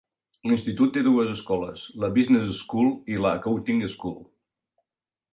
L'institut té dues escoles: la Business School i l'Accounting School.